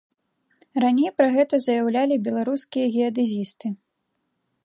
Раней пра гэта заяўлялі беларускія геадэзісты.